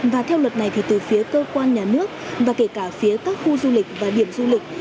và theo luật này thì từ phía cơ quan nhà nước và kể cả phía các khu du lịch và điểm du lịch